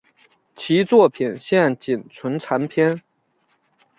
其作品现仅存残篇。